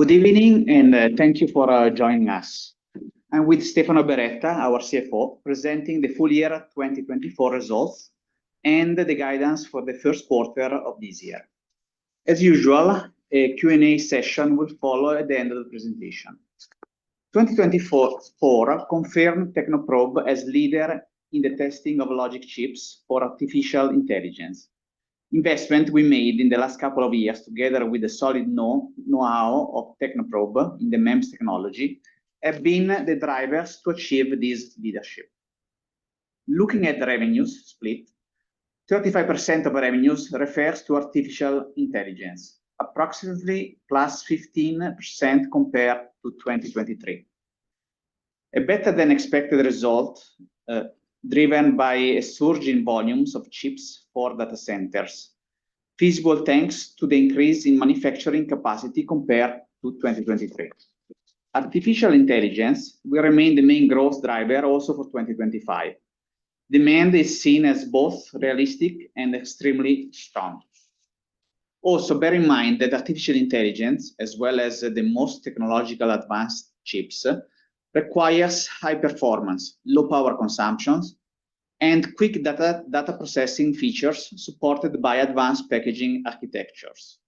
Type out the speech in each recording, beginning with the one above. Good evening, and thank you for joining us. I'm with Stefano Beretta, our CFO, presenting the Full Year 2024 results and the guidance for the first quarter of this year. As usual, a Q&A session will follow at the end of the presentation. 2024 confirmed Technoprobe as leader in the testing of logic chips for artificial intelligence. Investments we made in the last couple of years, together with the solid know-how of Technoprobe in the MEMS technology, have been the drivers to achieve this leadership. Looking at the revenues split, 35% of revenues refers to artificial intelligence, approximately +15% compared to 2023. A better-than-expected result, driven by surging volumes of chips for data centers, feasible thanks to the increase in manufacturing capacity compared to 2023. Artificial intelligence will remain the main growth driver also for 2025. Demand is seen as both realistic and extremely strong. Also, bear in mind that artificial intelligence, as well as the most technologically advanced chips, requires high performance, low power consumption, and quick data processing features supported by advanced packaging architectures.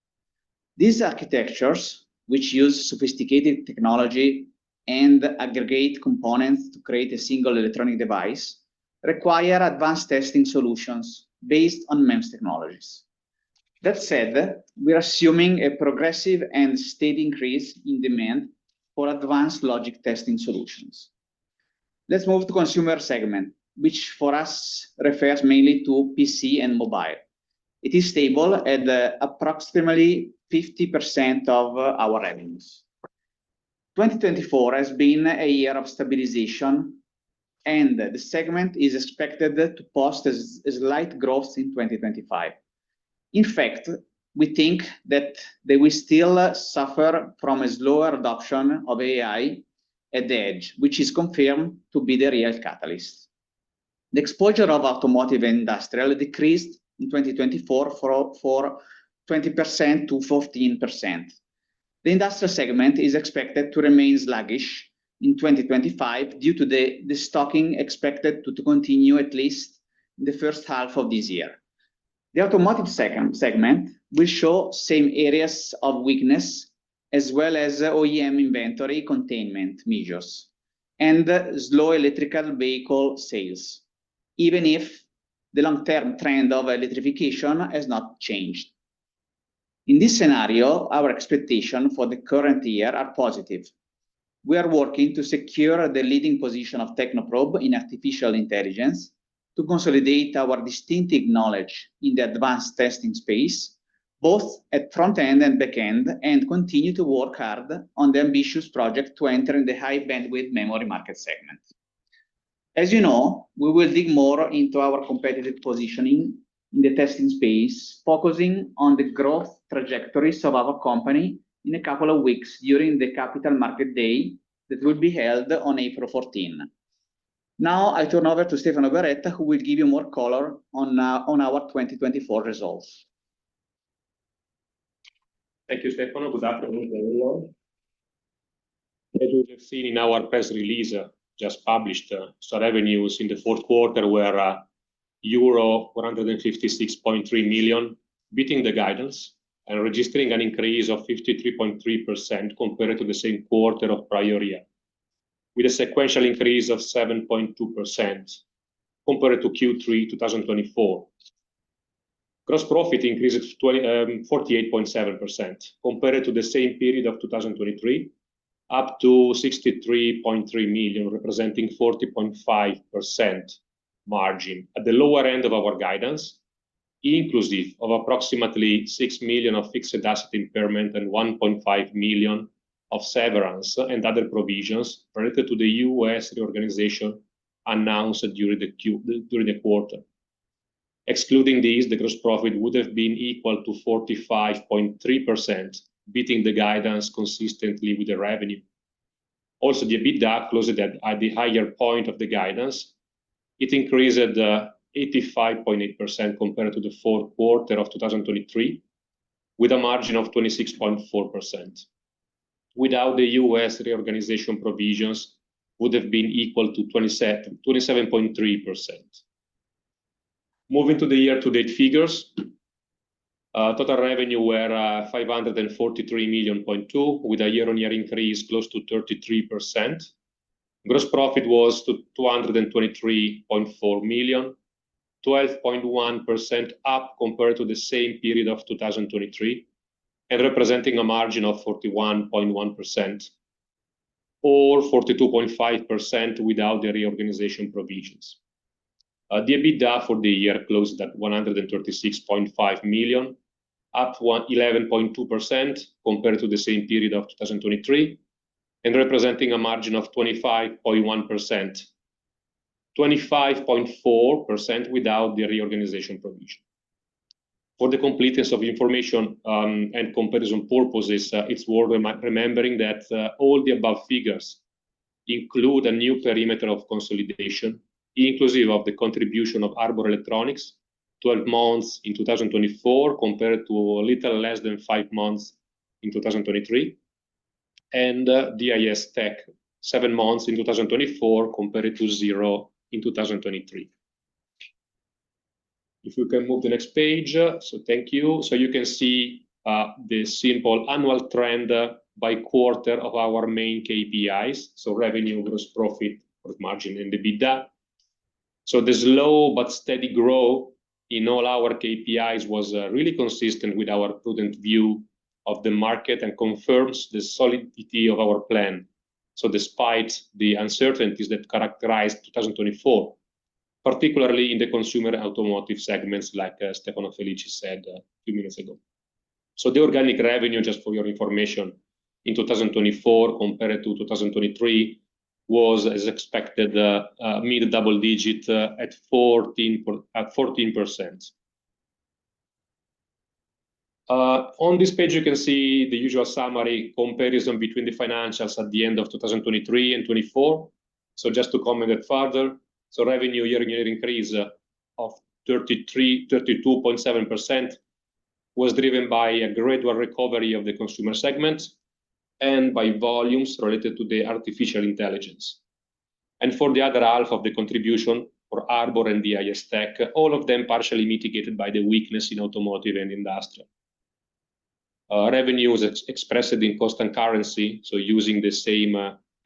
These architectures, which use sophisticated technology and aggregate components to create a single electronic device, require advanced testing solutions based on MEMS technologies. That said, we are assuming a progressive and steady increase in demand for advanced logic testing solutions. Let's move to the consumer segment, which for us refers mainly to PC and mobile. It is stable at approximately 50% of our revenues. 2024 has been a year of stabilization, and the segment is expected to post a slight growth in 2025. In fact, we think that they will still suffer from a slower adoption of AI at the edge, which is confirmed to be the real catalyst. The exposure of automotive and industrial decreased in 2024 from 20% to 15%. The industrial segment is expected to remain sluggish in 2025 due to the stocking expected to continue at least in the first half of this year. The automotive segment will show the same areas of weakness, as well as OEM inventory containment measures and slow electrical vehicle sales, even if the long-term trend of electrification has not changed. In this scenario, our expectations for the current year are positive. We are working to secure the leading position of Technoprobe in artificial intelligence, to consolidate our distinctive knowledge in the advanced testing space, both at front end and back end, and continue to work hard on the ambitious project to enter the high-bandwidth memory market segment. As you know, we will dig more into our competitive positioning in the testing space, focusing on the growth trajectories of our company in a couple of weeks during the Capital Markets Day that will be held on April 14. Now, I turn over to Stefano Beretta, who will give you more color on our 2024 results. Thank you, Stefano. Good afternoon, everyone. As we have seen in our press release just published, revenues in the fourth quarter were euro 156.3 million, beating the guidance and registering an increase of 53.3% compared to the same quarter of prior year, with a sequential increase of 7.2% compared to Q3 2024. Gross profit increased 48.7% compared to the same period of 2023, up to 63.3 million, representing a 40.5% margin at the lower end of our guidance, inclusive of approximately 6 million of fixed asset impairment and 1.5 million of severance and other provisions related to the U.S. reorganization announced during the quarter. Excluding these, the gross profit would have been equal to 45.3%, beating the guidance consistently with the revenue. Also, the EBITDA closed at the higher point of the guidance. It increased 85.8% compared to the fourth quarter of 2023, with a margin of 26.4%. Without the U.S. reorganization provisions, it would have been equal to 27.3%. Moving to the year-to-date figures, total revenue was 543.2 million, with a year-on-year increase close to 33%. Gross profit was 223.4 million, 12.1% up compared to the same period of 2023, and representing a margin of 41.1% or 42.5% without the reorganization provisions. The EBITDA for the year closed at 136.5 million, up 11.2% compared to the same period of 2023, and representing a margin of 25.1%, 25.4% without the reorganization provision. For the completeness of information and comparison purposes, it's worth remembering that all the above figures include a new perimeter of consolidation, inclusive of the contribution of Harbor Electronics, 12 months in 2024 compared to a little less than 5 months in 2023. DIS Tech, 7 months in 2024 compared to 0 in 2023. If we can move the next page, so thank you. You can see the simple annual trend by quarter of our main KPIs, so revenue, gross profit, gross margin, and EBITDA. The slow but steady growth in all our KPIs was really consistent with our prudent view of the market and confirms the solidity of our plan. Despite the uncertainties that characterized 2024, particularly in the consumer automotive segments, like Stefano Felici said a few minutes ago. The organic revenue, just for your information, in 2024 compared to 2023 was, as expected, mid-double digit at 14%. On this page, you can see the usual summary comparison between the financials at the end of 2023 and 2024. Just to comment that further, revenue year-on-year increase of 32.7% was driven by a gradual recovery of the consumer segment and by volumes related to the artificial intelligence. For the other half of the contribution for Harbor and DIS Tech, all of them partially mitigated by the weakness in automotive and industrial. Revenues expressed in constant currency, so using the same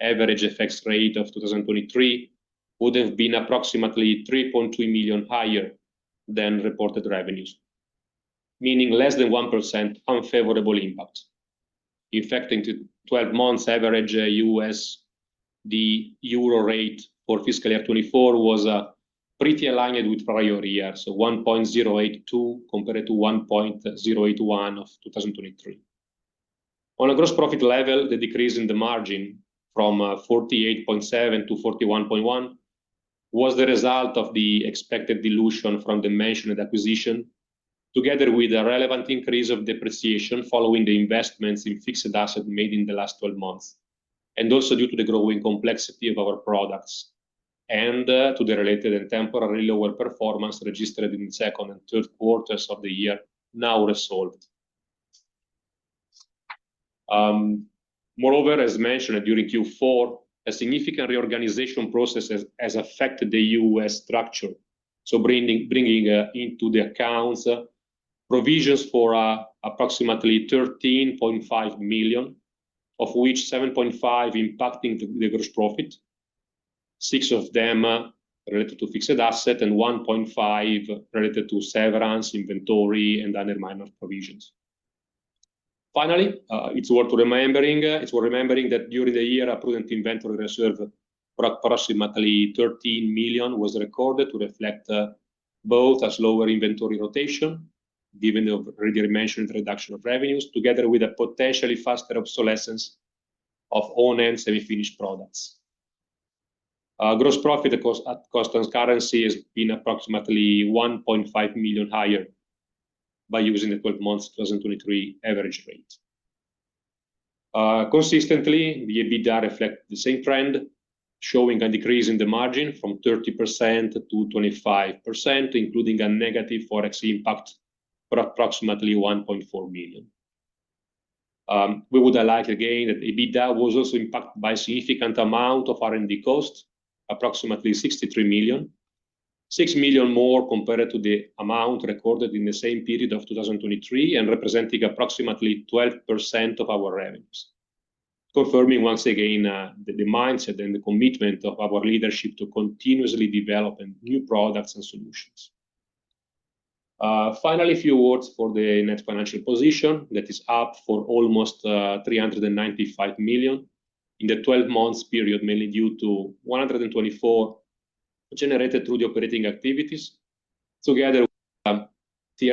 average FX rate of 2023, would have been approximately 3.2 million higher than reported revenues, meaning less than 1% unfavorable impact. In fact, in 12 months, average USD/EUR rate for fiscal year 2024 was pretty aligned with prior year, so 1.082 compared to 1.081 of 2023. On a gross profit level, the decrease in the margin from 48.7% to 41.1% was the result of the expected dilution from the mentioned acquisition, together with a relevant increase of depreciation following the investments in fixed assets made in the last 12 months, and also due to the growing complexity of our products and to the related and temporary lower performance registered in the second and third quarters of the year now resolved. Moreover, as mentioned during Q4, a significant reorganization process has affected the U.S. structure, bringing into the accounts provisions for approximately 13.5 million, of which 7.5% impacting the gross profit, 6% of them related to fixed assets, and 1.5% related to severance, inventory, and other minor provisions. Finally, it's worth remembering that during the year, a prudent inventory reserve for approximately 13 million was recorded to reflect both a slower inventory rotation, given the already mentioned reduction of revenues, together with a potentially faster obsolescence of owned and semi-finished products. Gross profit at constant currency has been approximately 1.5 million higher by using the 12-month 2023 average rate. Consistently, the EBITDA reflects the same trend, showing a decrease in the margin from 30% to 25%, including a negative forex impact for approximately 1.4 million. We would like to again note that EBITDA was also impacted by a significant amount of R&D cost, approximately 63 million, 6 million more compared to the amount recorded in the same period of 2023 and representing approximately 12% of our revenues. Confirming once again the mindset and the commitment of our leadership to continuously develop new products and solutions. Finally, a few words for the net financial position that is up for almost 395 million in the 12-month period, mainly due to 124 million generated through the operating activities, together with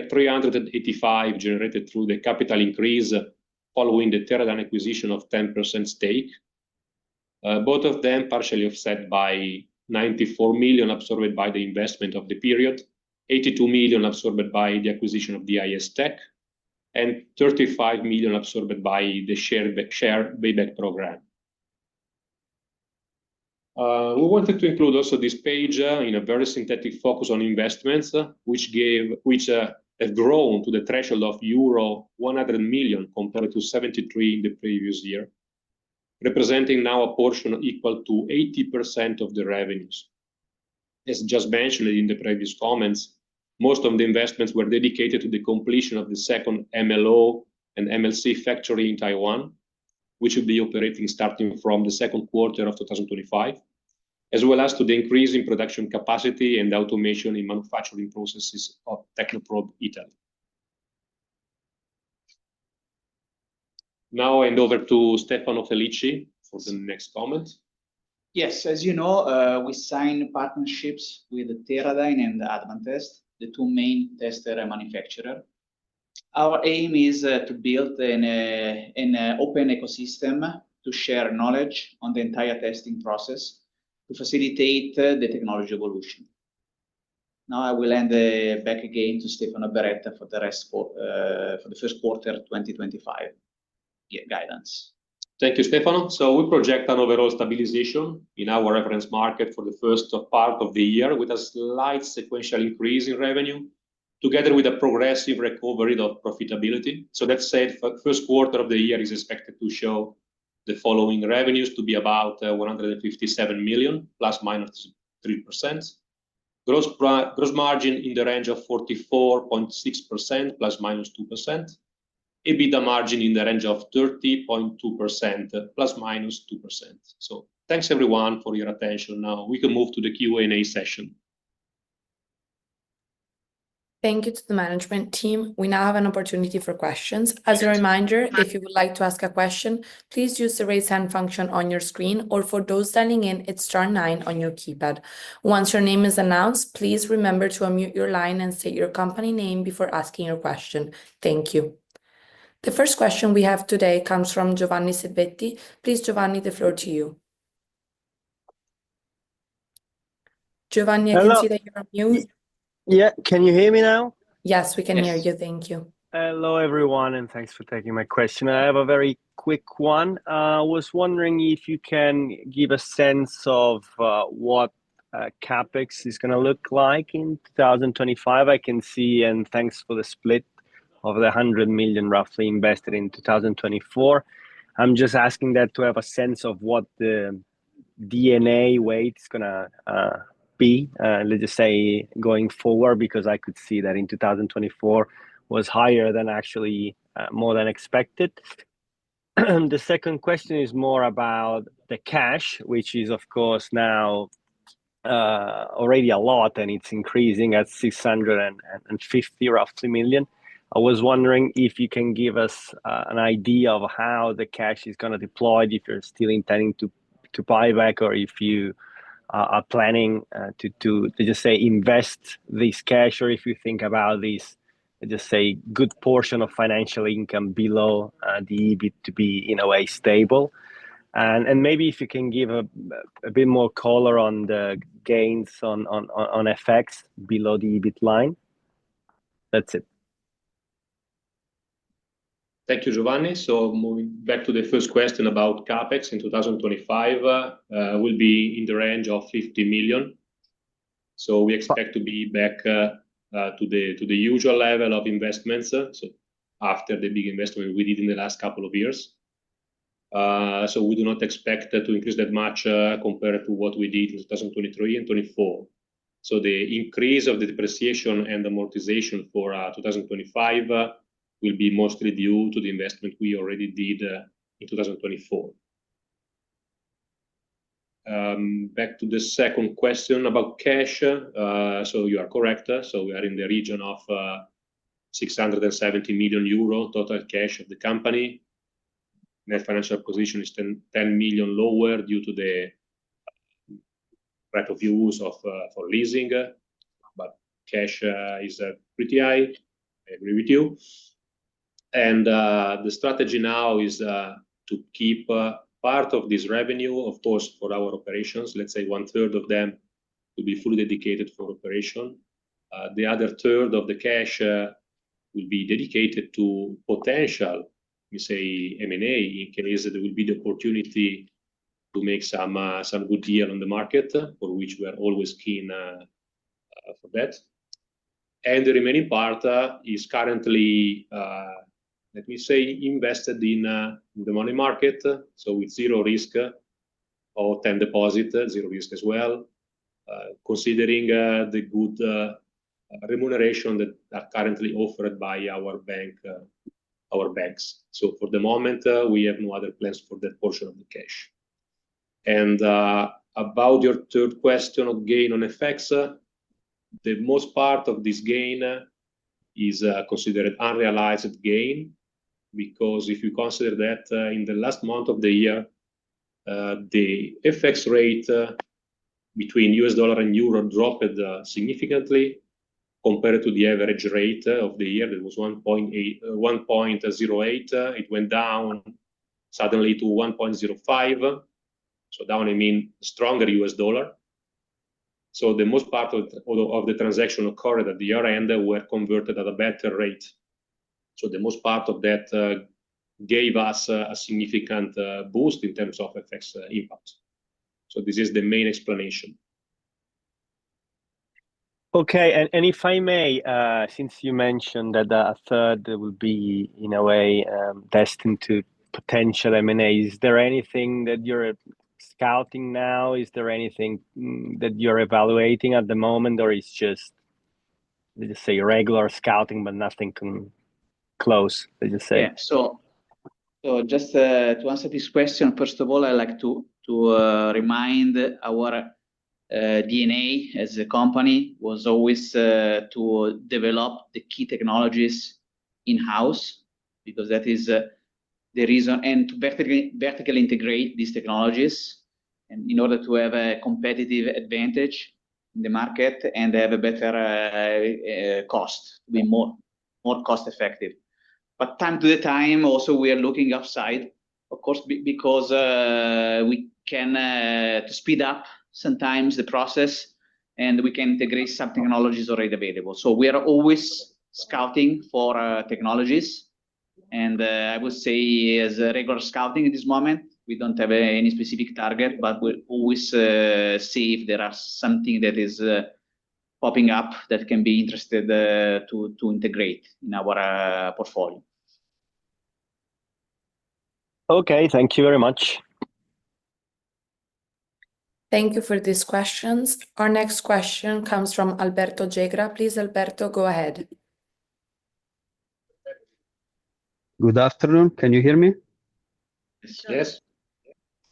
385 million generated through the capital increase following the Teradyne acquisition of 10% stake, both of them partially offset by 94 million absorbed by the investment of the period, 82 million absorbed by the acquisition of DIS Tech, and 35 million absorbed by the share buyback program. We wanted to include also this page in a very synthetic focus on investments, which has grown to the threshold of euro 100 million compared to 73 million in the previous year, representing now a portion equal to 80% of the revenues. As just mentioned in the previous comments, most of the investments were dedicated to the completion of the second MLO and MLC factory in Taiwan, which will be operating starting from the second quarter of 2025, as well as to the increase in production capacity and automation in manufacturing processes of Technoprobe Italy. Now, I hand over to Stefano Felici for the next comment. Yes, as you know, we signed partnerships with Teradyne and Advantest, the two main tester manufacturers. Our aim is to build an open ecosystem to share knowledge on the entire testing process to facilitate the technology evolution. Now, I will hand back again to Stefano Beretta for the first quarter 2025 guidance. Thank you, Stefano. We project an overall stabilization in our reference market for the first part of the year with a slight sequential increase in revenue, together with a progressive recovery of profitability. That said, the first quarter of the year is expected to show the following: revenues to be about 157 million, ±3%. Gross margin in the range of 44.6%, ±2%. EBITDA margin in the range of 30.2%, ±2%. Thanks, everyone, for your attention. Now, we can move to the Q&A session. Thank you to the management team. We now have an opportunity for questions. As a reminder, if you would like to ask a question, please use the raise hand function on your screen, or for those signing in, it is star nine on your keypad. Once your name is announced, please remember to unmute your line and state your company name before asking your question. Thank you. The first question we have today comes from Giovanni Selvetti. Please, Giovanni, the floor to you. Giovanni, I can see that you are on mute. Yeah, can you hear me now? Yes, we can hear you. Thank you. Hello, everyone, and thanks for taking my question. I have a very quick one. I was wondering if you can give a sense of what CapEx is going to look like in 2025. I can see, and thanks for the split of the 100 million roughly invested in 2024. I'm just asking that to have a sense of what the D&A weight is going to be, let's just say, going forward, because I could see that in 2024 was higher than actually more than expected. The second question is more about the cash, which is, of course, now already a lot, and it's increasing at 650 roughly million. I was wondering if you can give us an idea of how the cash is going to deploy if you're still intending to buy back or if you are planning to, let's just say, invest this cash or if you think about this, let's just say, good portion of financial income below the EBIT to be in a way stable. Maybe if you can give a bit more color on the gains on FX below the EBIT line? That's it. Thank you, Giovanni. Moving back to the first question about CapEx in 2025, it will be in the range of 50 million. We expect to be back to the usual level of investments after the big investment we did in the last couple of years. We do not expect to increase that much compared to what we did in 2023 and 2024. The increase of the depreciation and amortization for 2025 will be mostly due to the investment we already did in 2024. Back to the second question about cash. You are correct. We are in the region of 670 million euro total cash of the company. Net financial position is 10 million lower due to the right of use for leasing, but cash is pretty high. I agree with you. The strategy now is to keep part of this revenue, of course, for our operations. Let's say 1/3 of them will be fully dedicated for operation. The other 1/3 of the cash will be dedicated to potential, let me say, M&A in case there will be the opportunity to make some good deal on the market, for which we are always keen for that. The remaining part is currently, let me say, invested in the money market, with zero risk or time deposit, zero risk as well, considering the good remuneration that are currently offered by our banks. For the moment, we have no other plans for that portion of the cash. About your third question of gain on FX, the most part of this gain is considered unrealized gain because if you consider that in the last month of the year, the FX rate between U.S. dollar and euro dropped significantly compared to the average rate of the year. It was 1.08. It went down suddenly to 1.05. I mean stronger U.S. dollar. The most part of the transaction occurred at the year-end were converted at a better rate. The most part of that gave us a significant boost in terms of FX impact. This is the main explanation. Okay. If I may, since you mentioned that a 1/3 will be in a way destined to potential M&A, is there anything that you're scouting now? Is there anything that you're evaluating at the moment, or it's just, let's just say, regular scouting, but nothing close, let's just say? Yeah. Just to answer this question, first of all, I'd like to remind our D&A as a company was always to develop the key technologies in-house because that is the reason, and to vertically integrate these technologies in order to have a competitive advantage in the market and have a better cost, be more cost-effective. From time to time, also, we are looking outside, of course, because we can speed up sometimes the process, and we can integrate some technologies already available. We are always scouting for technologies. I would say as a regular scouting at this moment, we don't have any specific target, but we always see if there is something that is popping up that can be interesting to integrate in our portfolio. Okay. Thank you very much. Thank you for these questions. Our next question comes from Alberto Nigro. Please, Alberto, go ahead. Good afternoon. Can you hear me? Yes.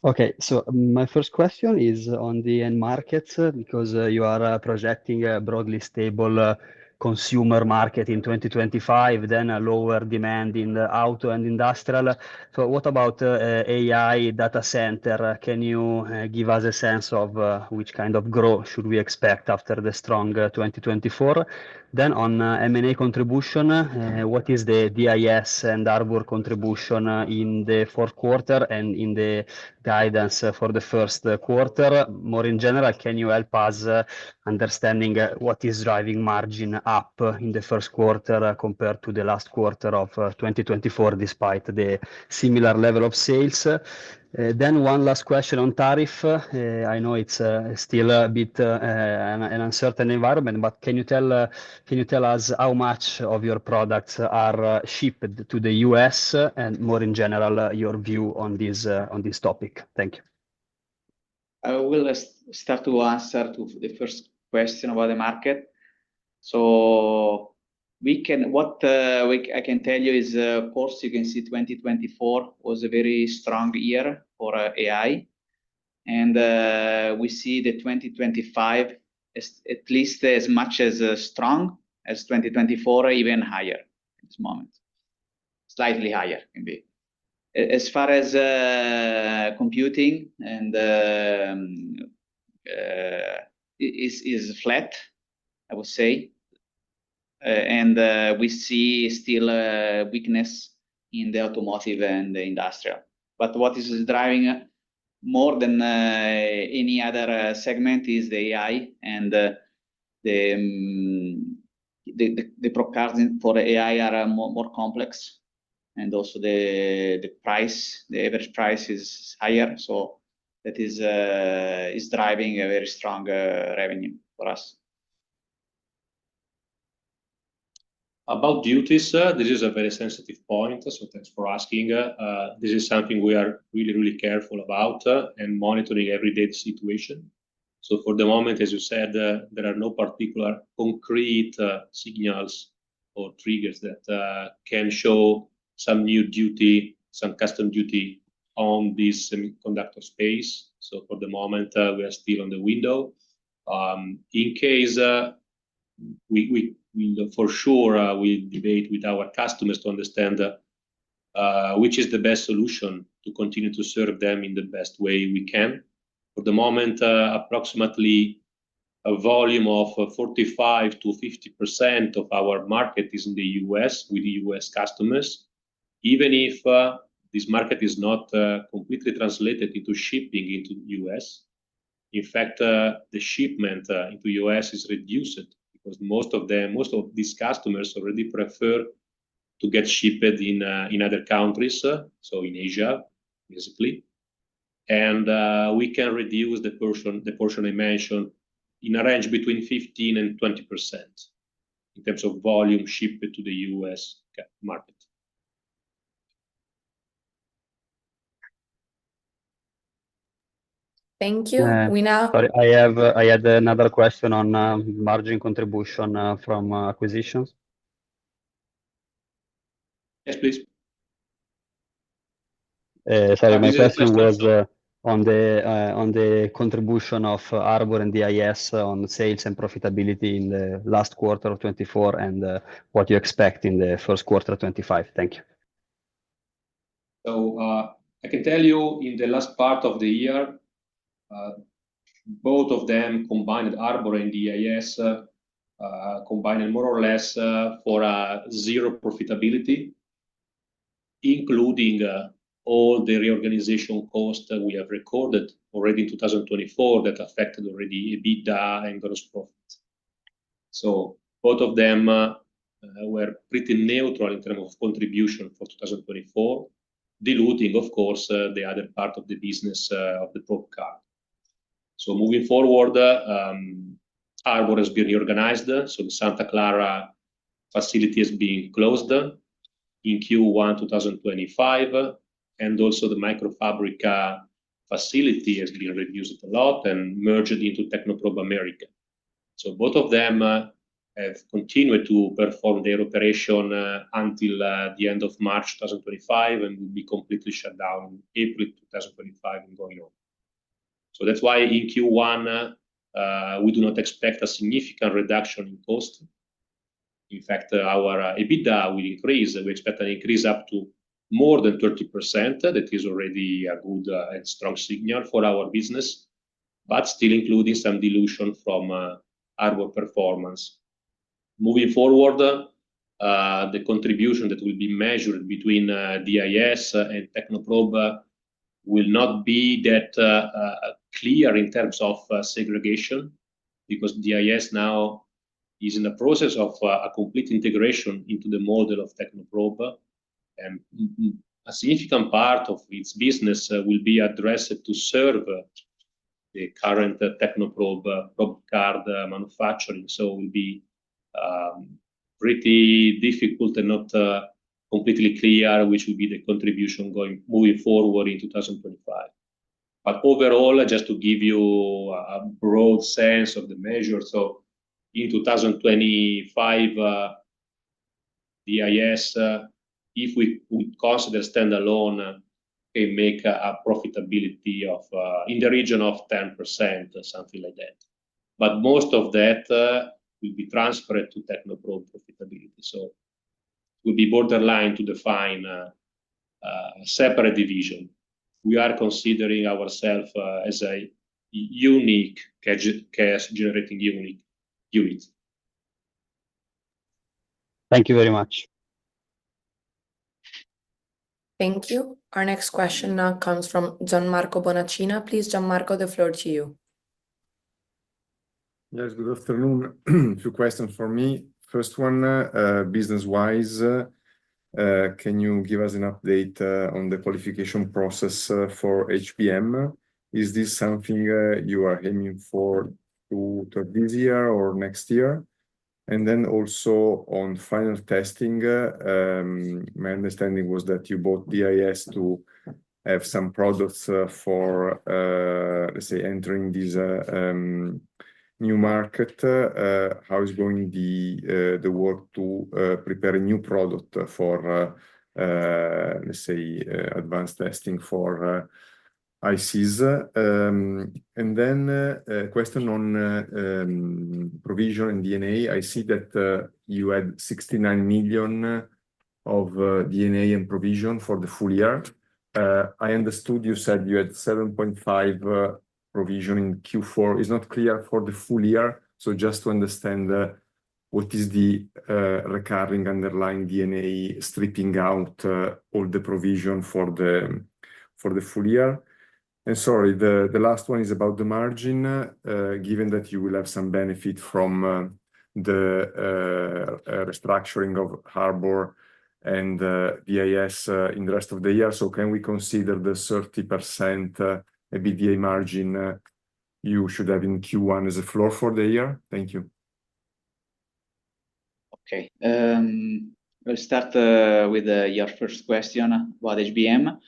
Okay. My first question is on the end markets because you are projecting a broadly stable consumer market in 2025, then a lower demand in the auto and industrial. What about AI data center? Can you give us a sense of which kind of growth should we expect after the strong 2024? On M&A contribution, what is the DIS and Harbor contribution in the fourth quarter and in the guidance for the first quarter? More in general, can you help us understanding what is driving margin up in the first quarter compared to the last quarter of 2024 despite the similar level of sales? One last question on tariff. I know it is still a bit an uncertain environment, but can you tell us how much of your products are shipped to the U.S., and more in general, your view on this topic? Thank you. I will start to answer to the first question about the market. What I can tell you is, of course, you can see 2024 was a very strong year for AI. We see that 2025 is at least as much as strong as 2024, even higher at this moment. Slightly higher can be. As far as computing, it is flat, I would say. We see still weakness in the automotive and the industrial. What is driving more than any other segment is the AI. The procurement for AI is more complex. Also the price, the average price is higher. That is driving a very strong revenue for us. About duties, this is a very sensitive point. Thanks for asking. This is something we are really, really careful about and monitoring every day the situation. For the moment, as you said, there are no particular concrete signals or triggers that can show some new duty, some custom duty on this semiconductor space. For the moment, we are still on the window. In case, for sure, we debate with our customers to understand which is the best solution to continue to serve them in the best way we can. For the moment, approximately a volume of 45%-50% of our market is in the U.S. with the U.S. customers. Even if this market is not completely translated into shipping into the U.S., in fact, the shipment into the U.S. is reduced because most of these customers already prefer to get shipped in other countries, in Asia, basically. We can reduce the portion I mentioned in a range between 15%-20% in terms of volume shipped to the U.S. market. Thank you. We now. Sorry, I had another question on margin contribution from acquisitions. Yes, please. Sorry, my question was on the contribution of Harbor and DIS on sales and profitability in the last quarter of 2024 and what you expect in the first quarter of 2025? Thank you. I can tell you in the last part of the year, both of them combined, Harbor and DIS, combined more or less for zero profitability, including all the reorganization costs that we have recorded already in 2024 that affected already EBITDA and gross profits. Both of them were pretty neutral in terms of contribution for 2024, diluting, of course, the other part of the business of the probe card. Moving forward, Harbor has been reorganized. The Santa Clara facility has been closed in Q1 2025. Also, the Microfabrica facility has been reduced a lot and merged into Technoprobe America. Both of them have continued to perform their operation until the end of March 2025 and will be completely shut down in April 2025 and going on. That is why in Q1, we do not expect a significant reduction in cost. In fact, our EBITDA will increase. We expect an increase up to more than 30%. That is already a good and strong signal for our business, still including some dilution from Harbor performance. Moving forward, the contribution that will be measured between DIS and Technoprobe will not be that clear in terms of segregation because DIS now is in the process of a complete integration into the model of Technoprobe. A significant part of its business will be addressed to serve the current Technoprobe card manufacturing. It will be pretty difficult and not completely clear which will be the contribution moving forward in 2025. Overall, just to give you a broad sense of the measure, in 2025, DIS, if we consider standalone, can make a profitability in the region of 10%, something like that. Most of that will be transferred to Technoprobe profitability. It will be borderline to define a separate division. We are considering ourselves as a unique cash-generating unit. Thank you very much. Thank you. Our next question now comes from Gianmarco Bonacina. Please, Gianmarco, the floor to you. Yes, good afternoon. Two questions for me. First one, business-wise, can you give us an update on the qualification process for HBM? Is this something you are aiming for this year or next year? Also on final testing, my understanding was that you bought DIS to have some products for, let's say, entering this new market. How is going the work to prepare a new product for, let's say, advanced testing for ICs? A question on provision and D&A. I see that you had 69 million of D&A and provision for the full year. I understood you said you had 7.5 million provision in Q4. It's not clear for the full year. Just to understand, what is the recurring underlying D&A stripping out all the provision for the full year? Sorry, the last one is about the margin, given that you will have some benefit from the restructuring of Harbor and DIS in the rest of the year. Can we consider the 30% EBITDA margin you should have in Q1 as a floor for the year? Thank you. Okay. We'll start with your first question about HBM.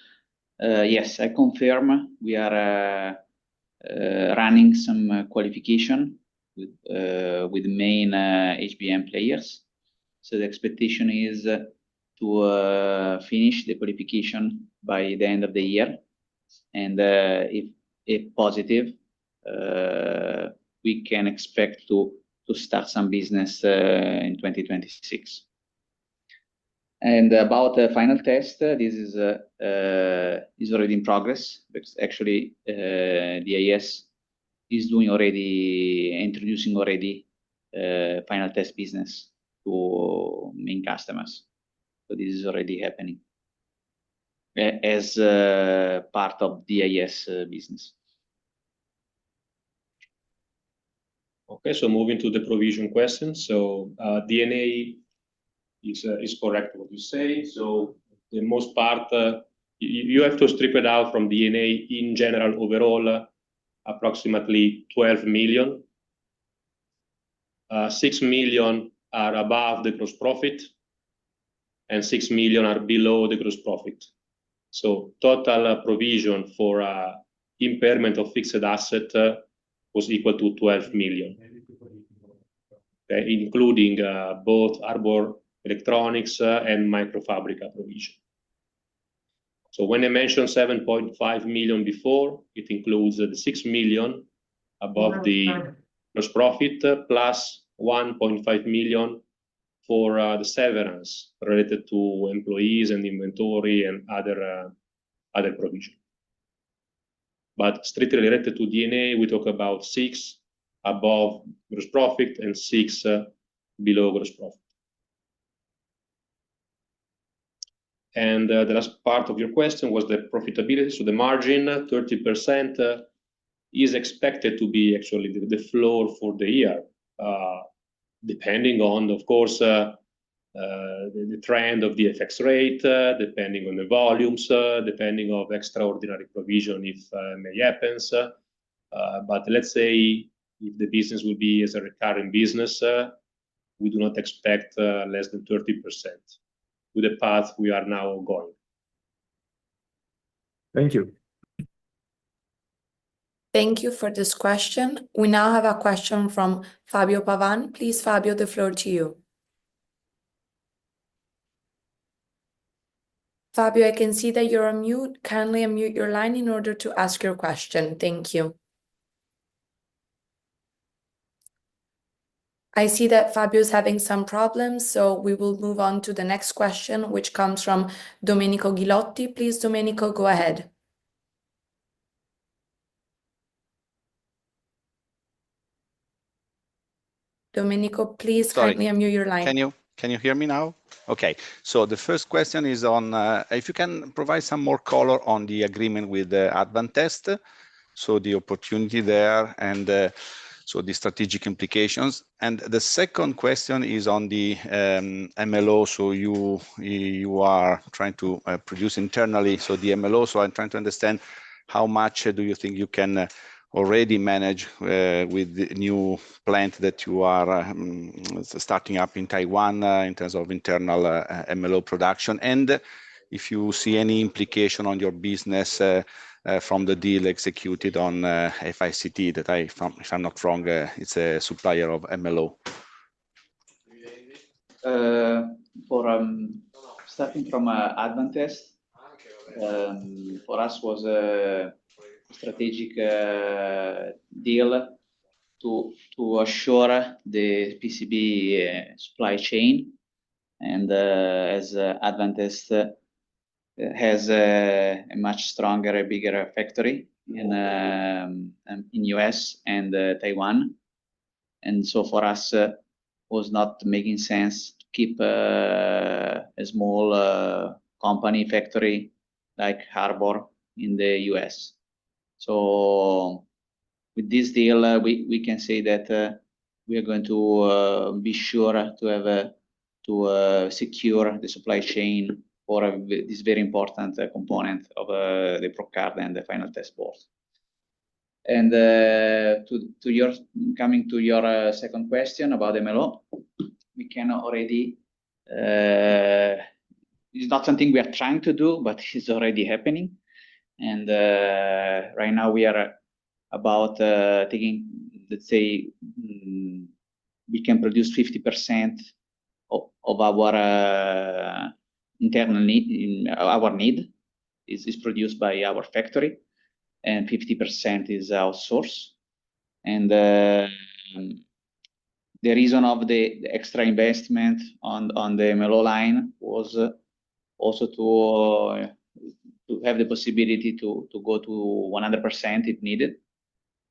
Yes, I confirm we are running some qualification with main HBM players. The expectation is to finish the qualification by the end of the year. If positive, we can expect to start some business in 2026. About final test, this is already in progress. Actually, DIS is already introducing final test business to main customers. This is already happening as part of DIS business. Okay. Moving to the provision questions. D&A is correct, what you say. For the most part, you have to strip it out from D&A in general overall, approximately 12 million. 6 million are above the gross profit, and 6 million are below the gross profit. Total provision for impairment of fixed asset was equal to 12 million, including both Harbor Electronics and Microfabrica provision. When I mentioned 7.5 million before, it includes the 6 million above the gross profit +1.5 million for the severance related to employees and inventory and other provision. Strictly related to D&A, we talk about 6 million above gross profit and 6 million below gross profit. The last part of your question was the profitability. The margin, 30%, is expected to be actually the floor for the year, depending on, of course, the trend of the FX rate, depending on the volumes, depending on extraordinary provision if it happens. Let's say if the business will be as a recurring business, we do not expect less than 30% with the path we are now going. Thank you. Thank you for this question. We now have a question from Fabio Pavan. Please, Fabio, the floor to you. Fabio, I can see that you're on mute. Kindly unmute your line in order to ask your question. Thank you. I see that Fabio is having some problems. We will move on to the next question, which comes from Domenico Ghilotti. Please, Domenico, go ahead. Domenico, please kindly unmute your line. Can you hear me now? Okay. The first question is on if you can provide some more color on the agreement with Advantest, the opportunity there and the strategic implications. The second question is on the MLO, you are trying to produce internally. The MLO, I am trying to understand how much do you think you can already manage with the new plant that you are starting up in Taiwan in terms of internal MLO production. If you see any implication on your business from the deal executed on FICT that, if I am not wrong, is a supplier of MLO? For starting from Advantest, for us was a strategic deal to assure the PCB supply chain. As Advantest has a much stronger, bigger factory in the U.S. and Taiwan. For us, it was not making sense to keep a small company factory like Harbor in the U.S. With this deal, we can say that we are going to be sure to secure the supply chain for this very important component of the probe card and the final test board. Coming to your second question about MLO, we can already, it's not something we are trying to do, but it's already happening. Right now, we are about taking, let's say, we can produce 50% of our need is produced by our factory, and 50% is outsourced. The reason of the extra investment on the MLO line was also to have the possibility to go to 100% if needed.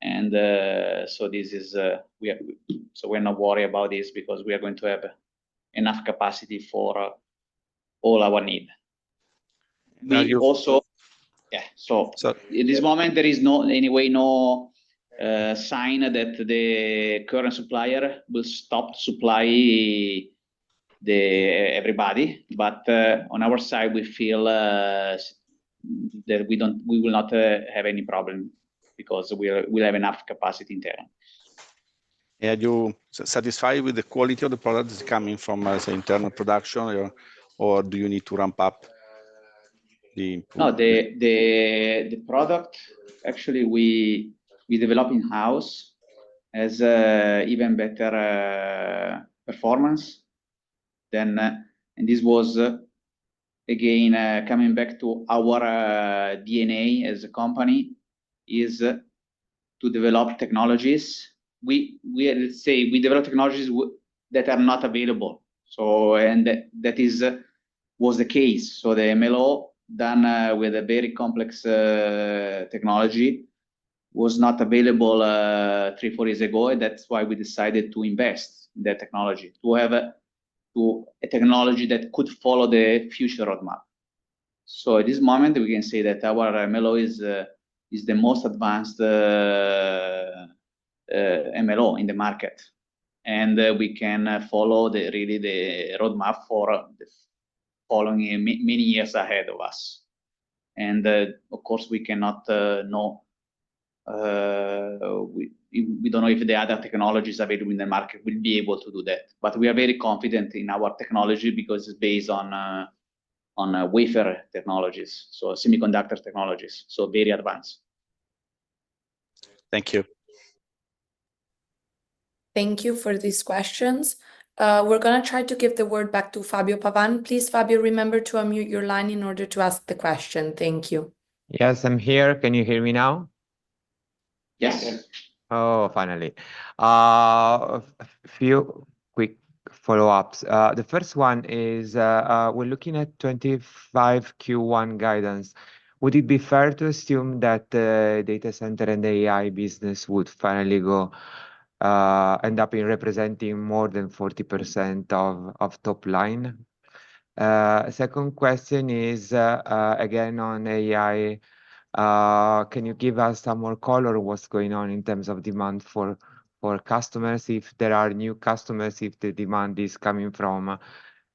This is why we are not worried about this because we are going to have enough capacity for all our need. At this moment, there is anyway no sign that the current supplier will stop supplying everybody. On our side, we feel that we will not have any problem because we will have enough capacity in Taiwan. Are you satisfied with the quality of the product coming from the internal production, or do you need to ramp up the? No, the product actually we develop in-house has even better performance than. This was, again, coming back to our D&A as a company, to develop technologies. We develop technologies that are not available. That was the case. The MLO done with a very complex technology was not available three or four years ago. That is why we decided to invest in that technology, to have a technology that could follow the future roadmap. At this moment, we can say that our MLO is the most advanced MLO in the market. We can follow really the roadmap for following many years ahead of us. Of course, we cannot know, we do not know if the other technologies available in the market will be able to do that. We are very confident in our technology because it's based on wafer technologies, so semiconductor technologies, so very advanced. Thank you. Thank you for these questions. We're going to try to give the word back to Fabio Pavan. Please, Fabio, remember to unmute your line in order to ask the question. Thank you. Yes, I'm here. Can you hear me now? Yes. Oh, finally. A few quick follow-ups. The first one is we're looking at 2025 Q1 guidance. Would it be fair to assume that data center and AI business would finally end up representing more than 40% of top line? Second question is, again, on AI, can you give us some more color of what's going on in terms of demand for customers, if there are new customers, if the demand is coming from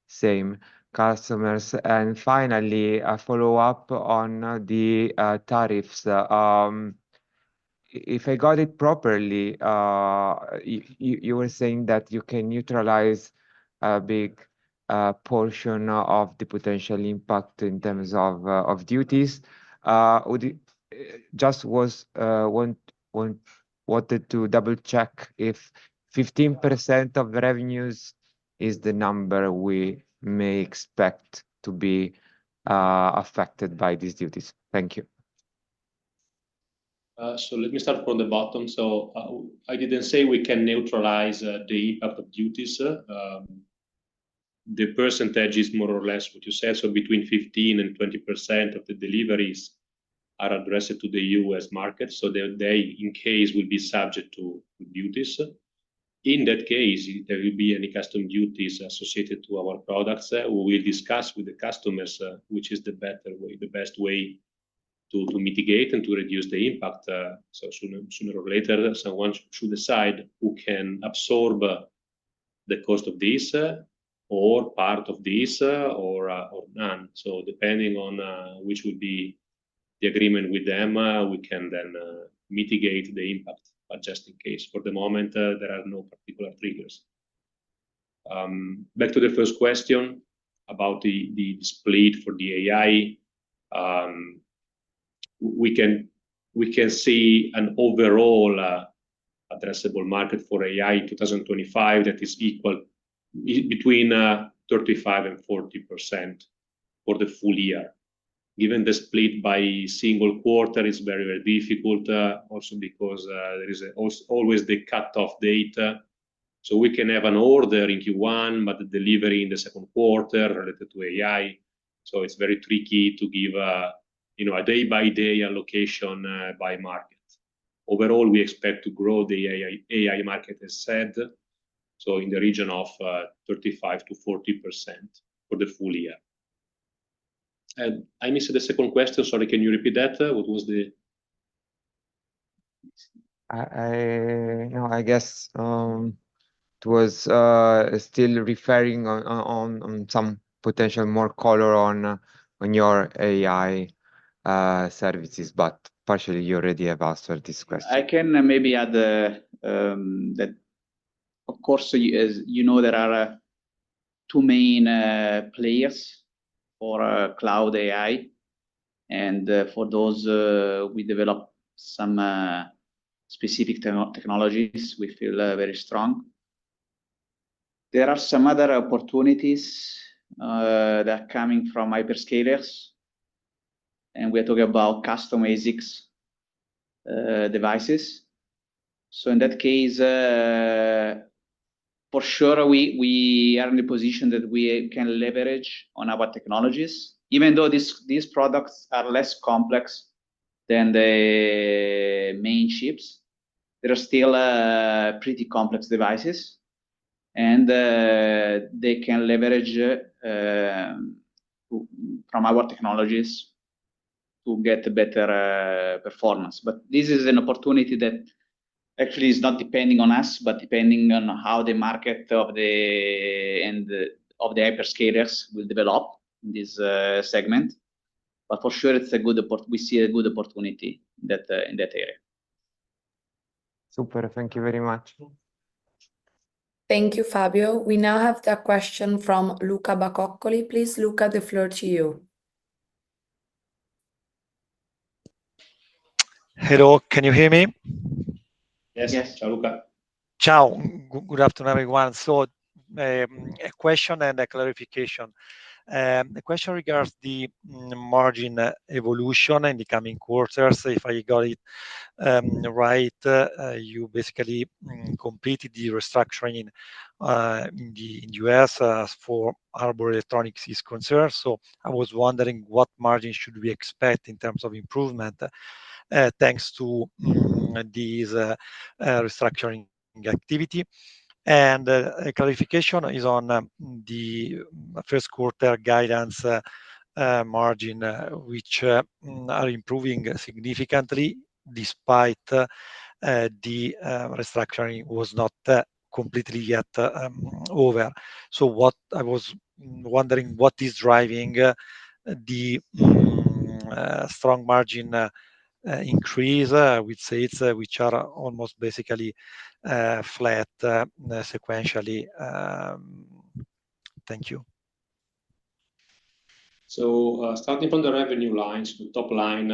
same customers? Finally, a follow-up on the tariffs. If I got it properly, you were saying that you can neutralize a big portion of the potential impact in terms of duties. Just wanted to double-check if 15% of the revenues is the number we may expect to be affected by these duties. Thank you. Let me start from the bottom. I did not say we can neutralize the impact of duties. The percentage is more or less what you said. Between 15%-20% of the deliveries are addressed to the U.S. market. They, in case, will be subject to duties. In that case, if there will be any custom duties associated to our products, we will discuss with the customers which is the best way to mitigate and to reduce the impact. So sooner or later, someone should decide who can absorb the cost of this or part of this or none. Depending on which would be the agreement with them, we can then mitigate the impact just in case. For the moment, there are no particular triggers. Back to the first question about the split for the AI, we can see an overall addressable market for AI in 2025 that is equal between 35% and 40% for the full year. Given the split by single quarter, it's very, very difficult also because there is always the cut-off date. We can have an order in Q1, but the delivery in the second quarter related to AI. It is very tricky to give a day-by-day allocation by market. Overall, we expect to grow the AI market, as said, in the region of 35%-40% for the full year. I missed the second question. Sorry, can you repeat that? What was the? No, I guess it was still referring on some potential more color on your AI services, but partially you already have answered this question. I can maybe add that, of course, as you know, there are two main players for cloud AI. For those, we develop some specific technologies we feel very strong. There are some other opportunities that are coming from hyperscalers. We are talking about custom ASICs devices. In that case, for sure, we are in the position that we can leverage on our technologies. Even though these products are less complex than the main chips, they're still pretty complex devices. They can leverage from our technologies to get better performance. This is an opportunity that actually is not depending on us, but depending on how the market of the hyperscalers will develop in this segment. For sure, we see a good opportunity in that area. Super. Thank you very much. Thank you, Fabio. We now have that question from Luca Bacoccoli. Please, Luca, the floor to you. Hello. Can you hear me? Yes. Ciao, Luca. Ciao. Good afternoon, everyone. A question and a clarification. The question regards the margin evolution in the coming quarters. If I got it right, you basically completed the restructuring in the U.S. for Harbor Electronics is concerned. I was wondering what margin should we expect in terms of improvement thanks to this restructuring activity. The clarification is on the first quarter guidance margin, which are improving significantly despite the restructuring was not completely yet over. I was wondering what is driving the strong margin increase, I would say, which are almost basically flat sequentially. Thank you. Starting from the revenue lines, the top line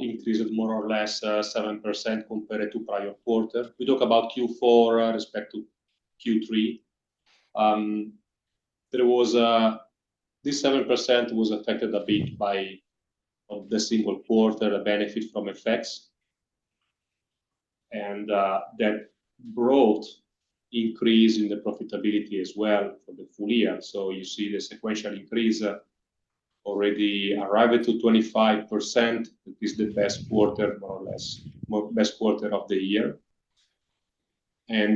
increased more or less 7% compared to the prior quarter. We talk about Q4 respect to Q3. This 7% was affected a bit by the single quarter benefit from FX. That brought increase in the profitability as well for the full year. You see the sequential increase already arrived to 25%. This is the best quarter, more or less, best quarter of the year.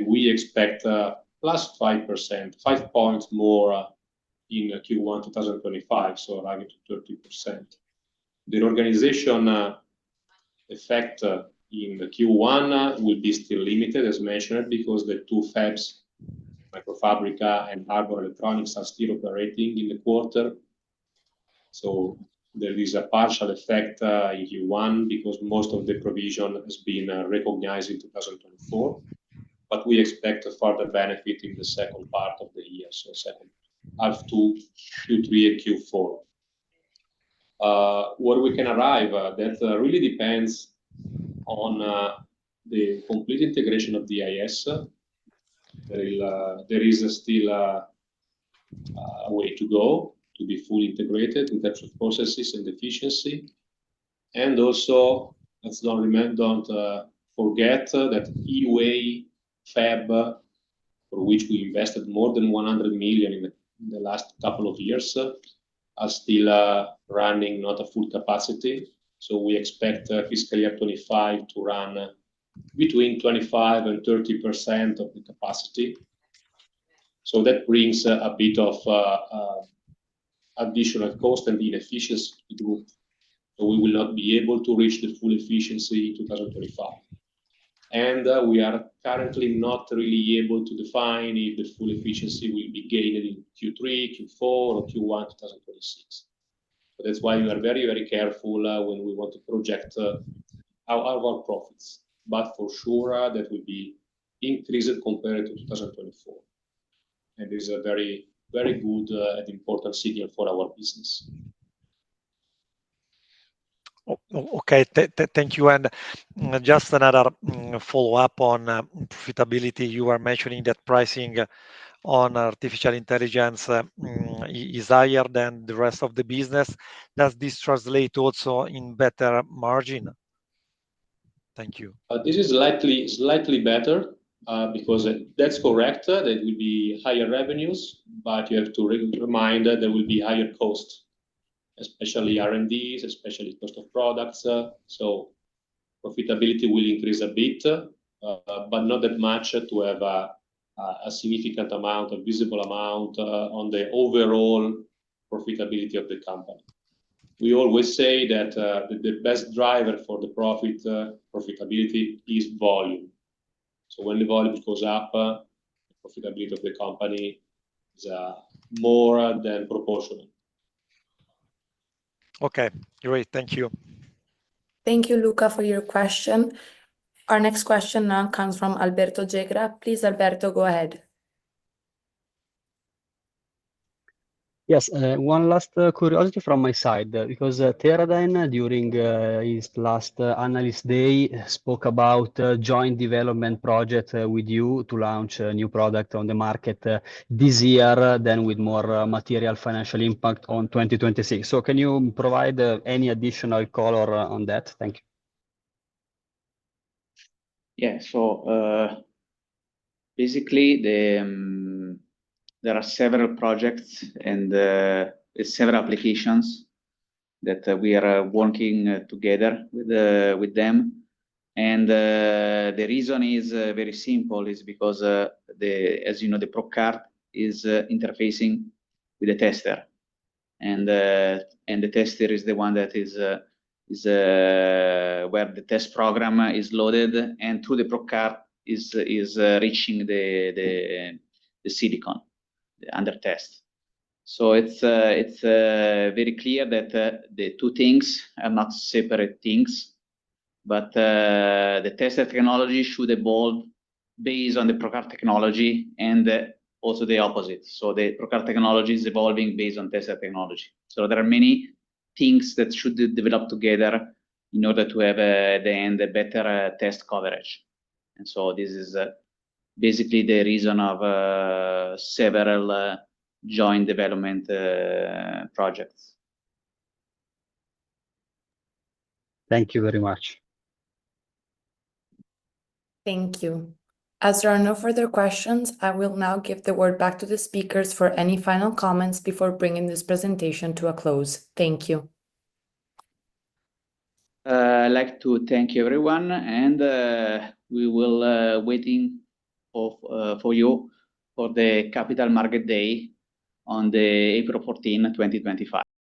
We expect +5%, 5 points more in Q1 2025, so arriving to 30%. The organization effect in Q1 will be still limited, as mentioned, because the two fabs, Microfabrica and Harbor Electronics, are still operating in the quarter. There is a partial effect in Q1 because most of the provision has been recognized in 2024. We expect a further benefit in the second part of the year, so second half to Q3 and Q4. Where we can arrive, that really depends on the complete integration of DIS. There is still a way to go to be fully integrated in terms of processes and efficiency. Also, let's not forget that new fab, for which we invested more than 100 million in the last couple of years, is still running not at full capacity. We expect fiscal year 2025 to run between 25%-30% of the capacity. That brings a bit of additional cost and inefficiency too. We will not be able to reach the full efficiency in 2025. We are currently not really able to define if the full efficiency will be gained in Q3, Q4, or Q1 2026. That is why we are very, very careful when we want to project our profits. For sure, that will be increased compared to 2024. This is a very, very good and important signal for our business. Okay. Thank you. Just another follow-up on profitability. You were mentioning that pricing on artificial intelligence is higher than the rest of the business. Does this translate also in better margin? Thank you. This is slightly better because that's correct. There will be higher revenues, but you have to remind that there will be higher costs, especially R&Ds, especially cost of products. Profitability will increase a bit, but not that much to have a significant amount, a visible amount on the overall profitability of the company. We always say that the best driver for the profit, profitability, is volume. When the volume goes up, the profitability of the company is more than proportional. Okay. Great. Thank you. Thank you, Luca, for your question. Our next question now comes from Alberto Nigro. Please, Alberto, go ahead. Yes. One last curiosity from my side because Teradyne, during his last analyst day, spoke about a joint development project with you to launch a new product on the market this year, then with more material financial impact on 2026. Can you provide any additional color on that? Thank you. Yeah. Basically, there are several projects and several applications that we are working together with them. The reason is very simple, because, as you know, the probe card is interfacing with the tester. The tester is the one where the test program is loaded, and through the probe card, it is reaching the silicon under test. It is very clear that the two things are not separate things. The tester technology should evolve based on the probe card technology and also the opposite. The probe card technology is evolving based on tester technology. There are many things that should develop together in order to have, at the end, a better test coverage. This is basically the reason for several joint development projects. Thank you very much. Thank you. As there are no further questions, I will now give the word back to the speakers for any final comments before bringing this presentation to a close. Thank you. I'd like to thank you, everyone. We will be waiting for you for the Capital Markets Day on April 14, 2025.